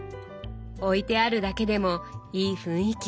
置いてあるだけでもいい雰囲気。